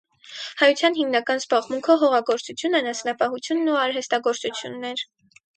Հայության հիմնական զբաղմունքը հողագործություն, անասնապահությունն ու արհեստագործությունն էր։